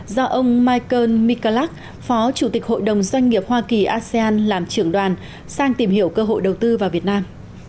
do ông michael mikalac phó chủ tịch hội đồng doanh nghiệp hoa kỳ asean làm trưởng đoàn sang tìm hiểu cơ hội đầu tư vào việt nam